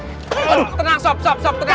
aduh tenang sob sob sob